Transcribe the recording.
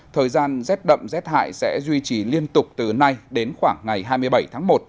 thời gian rét đậm rét hại sẽ duy trì liên tục từ nay đến khoảng ngày hai mươi bảy tháng một